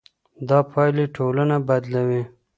دا پايلې ټولنه بدلوي.